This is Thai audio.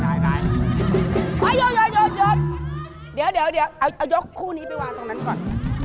หยุดเดี๋ยวเอายกคู่นี้ไปวางตรงนั้นก่อน